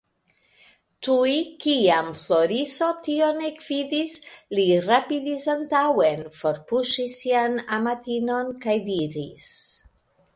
Tuj kiam Floriso tion ekvidis, li rapidis antaŭen, forpuŝis sian amatinon kaj diris.